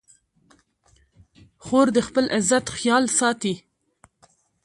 خور د خپل عزت خیال ساتي.